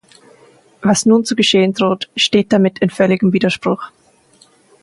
Was nun zu geschehen droht, steht damit in völligem Widerspruch.